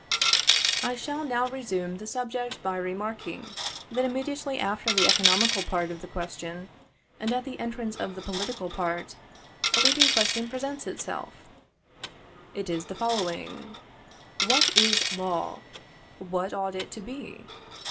I shall now resume the subject by remarking, that immediately after the economical part of the question, and at the entrance of the political part, a leading question presents itself? It is the following: What is law? What ought it to be?